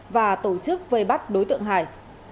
và tổ chức vây bắt đối tượng hải